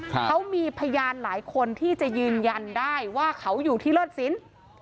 เขามีพยานหลายคนที่จะยืนยันได้ว่าเขาอยู่ที่เลิศสิน